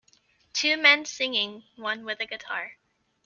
Two men singing one with a guitar.